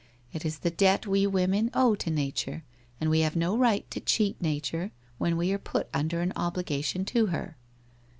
It is the debt we women owe to Nature, and we have no right to cheat Nature, when we are put under an obligation to her.'